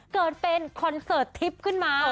เกิดเป็นคอนเสิร์ตทริปขึ้นมา